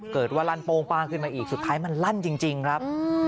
เกิดว่าลั่นโป้งป้างขึ้นมาอีกสุดท้ายมันลั่นจริงครับ